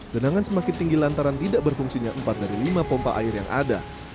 genangan semakin tinggi lantaran tidak berfungsinya empat dari lima pompa air yang ada